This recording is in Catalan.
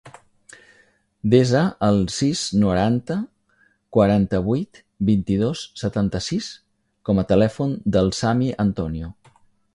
Desa el sis, noranta, quaranta-vuit, vint-i-dos, setanta-sis com a telèfon del Sami Antonio.